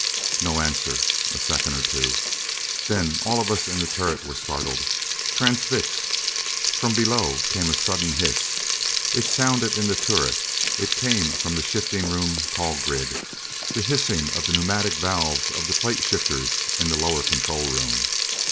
No answer. A second or two. Then all of us in the turret were startled. Transfixed. From below came a sudden hiss. It sounded in the turret; it came from the shifting room call grid. The hissing of the pneumatic valves of the plate shifters in the lower control room.